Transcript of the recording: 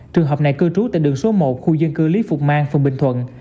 trường hợp này cư trú tại đường số một khu dân cư lý phục mang phường bình thuận